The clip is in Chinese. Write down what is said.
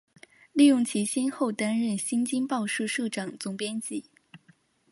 利用其先后担任新京报社社长、总编辑